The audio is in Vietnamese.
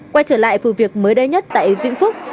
quay trở lại vụ việc mới đây nhất tại vĩnh phúc